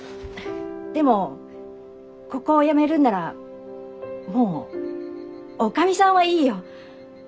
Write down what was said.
でもここを辞めるんならもう「女将さん」はいいよ。